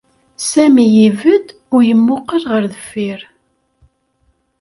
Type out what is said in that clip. Sami ibedd u yemmuqqel ɣer deffir.